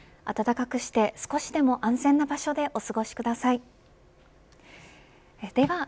暖かくして少しでも安全な場所でお過ごしください。